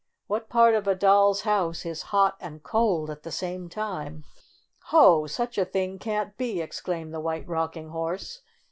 What part of a doll's house is hot and cold at the same time?" " Ho ! Such a thing can 'the!" exclaimed the White Rocking Horse.